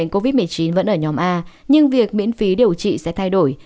covid một mươi chín vẫn ở nhóm a nhưng việc miễn phí điều trị sẽ thay đổi